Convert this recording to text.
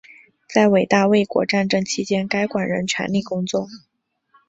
在伟大卫国战争期间该馆仍全力工作。